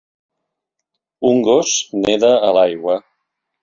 Un gos neda a l'aigua